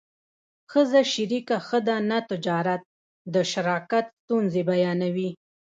ښځه شریکه ښه ده نه تجارت د شراکت ستونزې بیانوي